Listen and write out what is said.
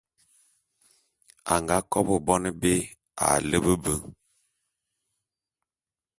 A nga kobô bone bé a lepe be.